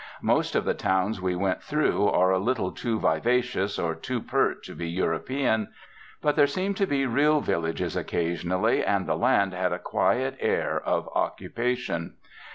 Most of the towns we went through are a little too vivacious or too pert to be European. But there seemed to be real villages occasionally, and the land had a quiet air of occupation.